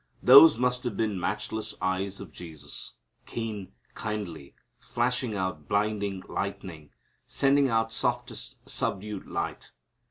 Those must have been matchless eyes of Jesus, keen, kindly, flashing out blinding lightning, sending out softest subdued light.